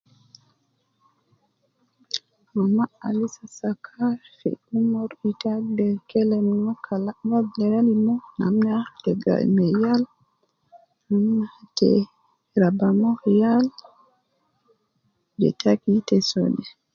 Mama al lisa sakar fi umri, ita agider kelem no uwo kalam ta gayi ma yal, ta raba ma yal ja taki ita so de.